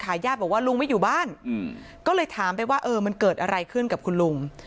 ญาติบอกว่าลุงไม่อยู่บ้านก็เลยถามไปว่าเออมันเกิดอะไรขึ้นกับคุณลุง